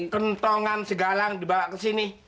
kentongan segala dibawa ke sini